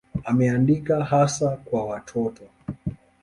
Ameandika hasa kwa watoto.